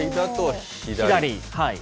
左。